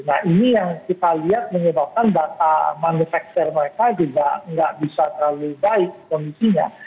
nah ini yang kita lihat menyebabkan data manufaktur mereka juga nggak bisa terlalu baik kondisinya